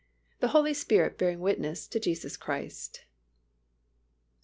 THE HOLY SPIRIT BEARING WITNESS TO JESUS CHRIST.